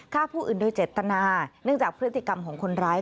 ฆ่าผู้อื่นโดยเจตนาเนื่องจากพฤติกรรมของคนร้าย